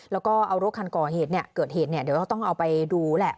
แล้วก็เอารถคันก่อเหตุเกิดเหตุเนี่ยเดี๋ยวก็ต้องเอาไปดูแหละ